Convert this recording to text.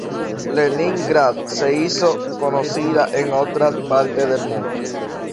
Leningrad se hizo conocida en otras partes del mundo.